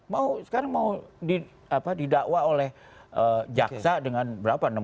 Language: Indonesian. mau sekarang mau didakwa oleh jaksa dengan berapa